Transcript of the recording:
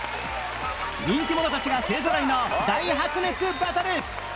人気者たちが勢ぞろいの大白熱バトル！